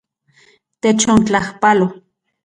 Techontlajpalo.